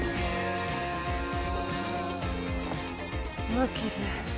無傷。